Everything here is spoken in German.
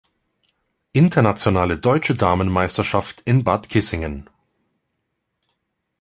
Internationale Deutsche Damenmeisterschaft in Bad Kissingen.